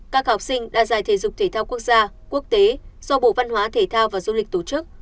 các học sinh đã giải thể dục thể thao quốc gia quốc tế do bộ văn hóa thể thao và du lịch tổ chức